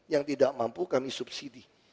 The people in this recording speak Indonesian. yang tidak mampu kami subsidi